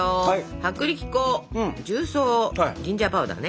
薄力粉重曹ジンジャーパウダーね。